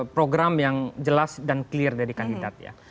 program yang jelas dan clear dari kandidat ya